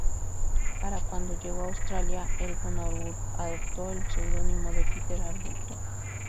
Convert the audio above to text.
Para cuando llegó a Australia, Egerton-Warburton adoptó el pseudónimo de Peter Warburton.